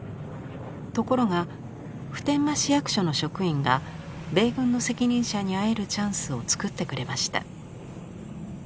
ところが普天間市役所の職員が米軍の責任者に会えるチャンスをつくってくれました。